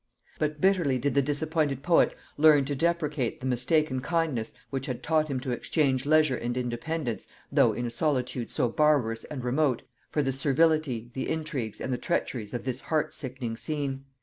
But bitterly did the disappointed poet learn to deprecate the mistaken kindness which had taught him to exchange leisure and independence, though in a solitude so barbarous and remote, for the servility, the intrigues and the treacheries of this heart sickening scene.